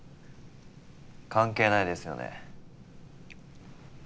関係ないですよね？